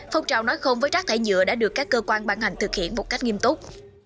phong trào nói không với rác thải nhựa đã được các cơ quan bản hành thực hiện một cách nghiêm túc